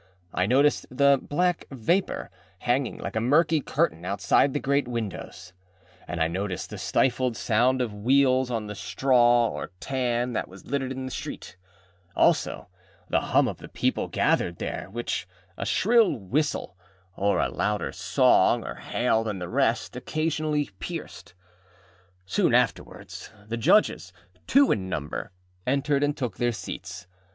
I noticed the black vapour hanging like a murky curtain outside the great windows, and I noticed the stifled sound of wheels on the straw or tan that was littered in the street; also, the hum of the people gathered there, which a shrill whistle, or a louder song or hail than the rest, occasionally pierced. Soon afterwards the Judges, two in number, entered, and took their seats.